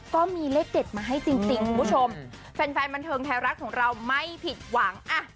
ก็มีเลขเด็ดมาให้จริงคุณผู้ชมแฟนแฟนบันเทิงไทยรัฐของเราไม่ผิดหวังอ่ะ